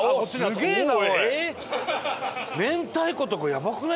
すげえな！